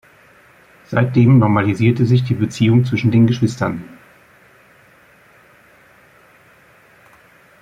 Seitdem normalisierte sich die Beziehung zwischen den Geschwistern.